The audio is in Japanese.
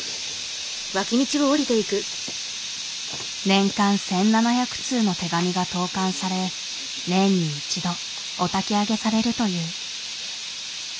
年間１，７００通の手紙が投かんされ年に一度お焚き上げされるという。